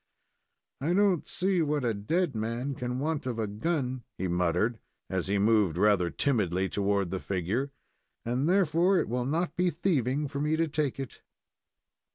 "I don't see what a dead man can want of a gun," he muttered, as he moved rather timidly toward the figure, "and, therefore, it will not be thieving for me to take it."